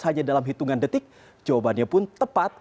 hanya dalam hitungan detik jawabannya pun tepat